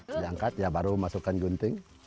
dibangkat baru masukkan gunting